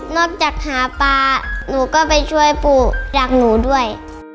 จากหาปลาหนูก็ไปช่วยปู่จากหนูด้วย